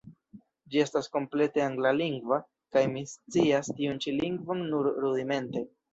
Ĝi estas komplete anglalingva – kaj mi scias tiun ĉi lingvon nur rudimente.